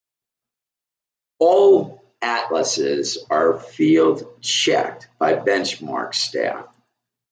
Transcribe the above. All atlases are field-checked by Benchmark staff.